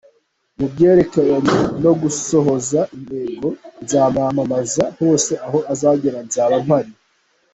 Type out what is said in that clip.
Mu byerekeranye no gusohoza intego, nzamwamamaza hose aho azagera nzaba mpari.